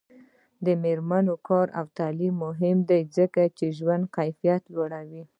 د میرمنو کار او تعلیم مهم دی ځکه چې ژوند کیفیت لوړوي.